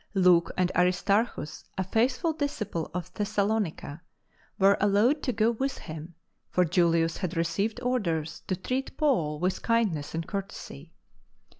Luke and Aristarchus, a faithful disciple of Thessa ionica, were allowed to go with him, for Julius had received orders to treat Paul with kind ness and courtesy.